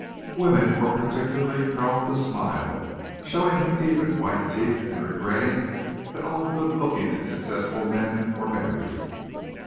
Women particularly were prone to smile, showing him even white teeth and regretting that all good looking and successful men were married.